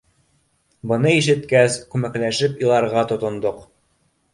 Быны ишеткәс, күмәкләшеп иларға тотондоҡ.